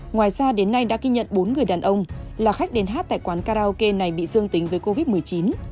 ngoài ra đến nay đã ghi nhận bốn người đàn ông là khách đến hát tại quán karaoke này bị dương tính với covid một mươi chín